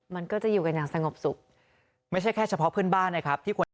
มันก็จะอยู่กันอย่างสงบสุขไม่ใช่แค่เฉพาะเพื่อนบ้านนะครับที่ควร